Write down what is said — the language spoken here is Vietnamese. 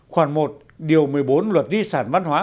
khoảng một điều một mươi bốn luật di sản văn hóa